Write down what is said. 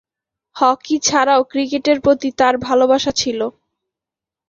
Hockey ছাড়াও ক্রিকেটের প্রতি তার ভালোবাসা ছিল।